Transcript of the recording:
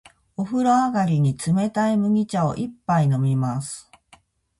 お風呂上がりに、冷たい麦茶を一杯飲みます。